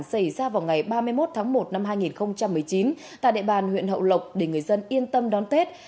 xảy ra vào ngày ba mươi một tháng một năm hai nghìn một mươi chín tại địa bàn huyện hậu lộc để người dân yên tâm đón tết